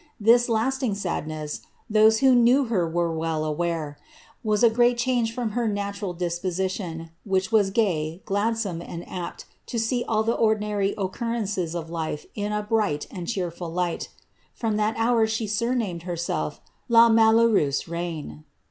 This lasting sadness, those who knew her were well aware, was a great change from her natural disposition, which was gay, gladsome, and apt to see all the ordinary occurrences of life in a bright and cheerful light From that hour she sumamed herself La malkeureuse rtine?